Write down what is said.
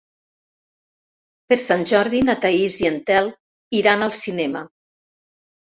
Per Sant Jordi na Thaís i en Telm iran al cinema.